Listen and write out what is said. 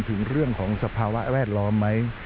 ถึงเรื่องของสภาวะแวดล้อมไหม